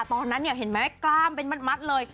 ตอนนั้นเห็นแม้กล้ามเป็นมันมัดเลย